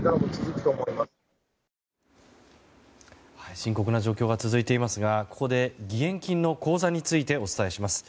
深刻な状況が続いていますがここで義援金の口座についてお伝えします。